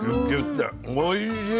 おいしい！